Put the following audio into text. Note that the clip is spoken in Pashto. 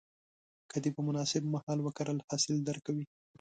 که دې په مناسب مهال وکرل، حاصل درکوي.